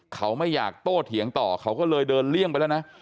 เขาไม่อยากโต้เถียงต่อเขาก็เลยเดินเลี่ยงไปแล้วนะ